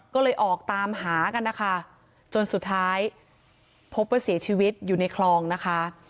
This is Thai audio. ก็เลยออกตามหากันนะคะจนสุดท้ายพบว่าเสียชีวิตอยู่ในคลองนะคะ